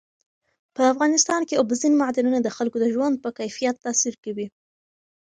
په افغانستان کې اوبزین معدنونه د خلکو د ژوند په کیفیت تاثیر کوي.